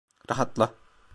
Rahatla.